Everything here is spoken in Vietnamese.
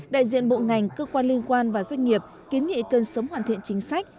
đại diện bộ ngành cơ quan liên quan và doanh nghiệp kiến nghị cần sớm hoàn thiện chính sách